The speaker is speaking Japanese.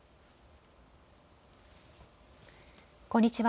こんにちは。